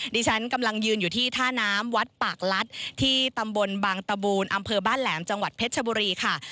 ดิฉันกำลังยืนอยู่ที่ท่าน้ำวัดปากลัดที่ตำบลบางตะบูนอำเภอบ้านแหลมจังหวัดเพชรชบุรีค่ะ